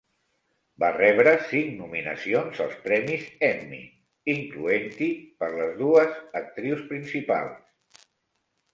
Va rebre cinc nominacions als premis Emmy, incloent-hi per les dues actrius principals.